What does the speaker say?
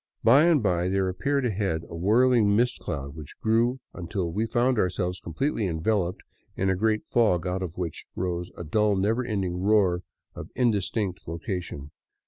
By and by there appeared ahead a whirling mist cloud which grew until we found ourselves completely enveloped in a great fog out of which rose a dull, never ending roar of indistinct location.